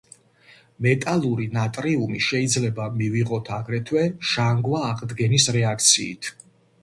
მეტალური ნატრიუმი შეიძლება მივიღოთ აგრეთვე ჟანგვა-აღდგენის რეაქციით.